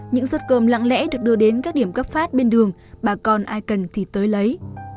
những suất cơm lặng lẽ được đưa đến các điểm cấp phát bên đường bà con ai cần thì tới lấy